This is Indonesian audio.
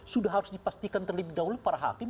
sudah harus dipastikan terlebih dahulu para hakim